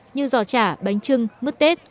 như giỏ chả bánh trưng mứt tết